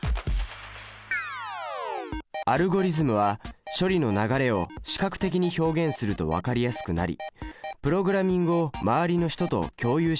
アルゴリズムは処理の流れを視覚的に表現すると分かりやすくなりプログラミングを周りの人と共有しやすくなります。